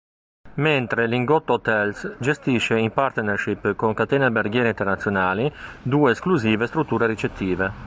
Mentre Lingotto Hotels gestisce in partnership con catene alberghiere internazionali due esclusive strutture ricettive.